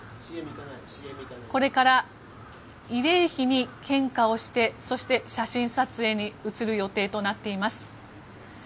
これから慰霊碑に献花をして写真撮影に移る予定となっています。